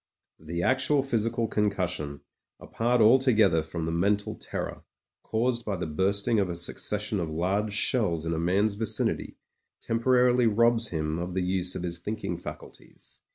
The actual physical con cussion, apart altogether from the mental terror, caused by the bursting of a succession of large shells in a man's vicinity, temporarily robs him of the use of his thinking faculties.